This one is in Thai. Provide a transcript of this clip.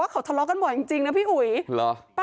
อีกที่เราได้ยิน